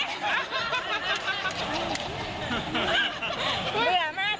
แม่โบกับน้องมะลิยอมรับแม่โบกับน้องมะลิยอมรับ